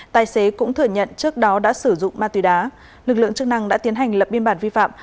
tài xế cũng thừa nhận trước đó đã sử dụng ma túy đá lực lượng chức năng đã tiến hành lập biên bản vi phạm